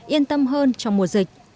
yên tâm hơn trong mùa dịch